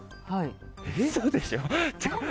ウソでしょ？